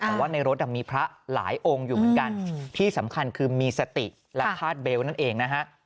แต่ว่าในรถมีพระหลายองค์อยู่เหมือนกันที่สำคัญคือมีสติและพาดเบลต์นั่นเองนะฮะ